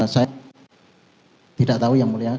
saya tidak tahu yang mulia